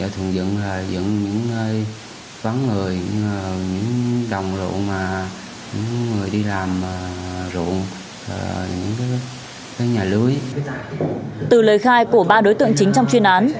từ lời khai của ba đối tượng chính trong chuyên án